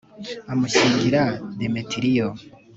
amushyingira demetiriyo